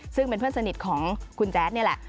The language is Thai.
ซึ่งเป็นเพื่อนสนิทของคุณแจ๊ดนี่แหละ